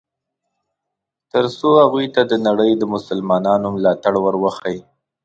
ترڅو هغوی ته د نړۍ د مسلمانانو ملاتړ ور وښیي.